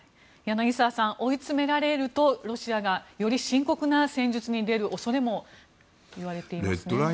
柳澤さん追いつめられるとロシアがより深刻な戦術に出る恐れもいわれていますね。